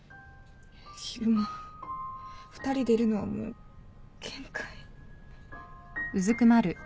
昼間２人でいるのはもう限界。